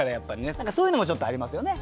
何かそういうのもちょっとありますよね。